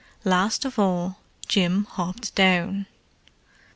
Last of all Jim hopped down.